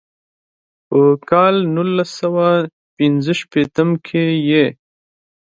پۀ کال نولس سوه پينځه شپيتم کښې ئې